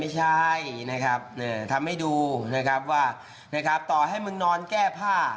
ไม่ใช่ทำให้ดูว่าต่อให้มึงนอนแก้ผ้า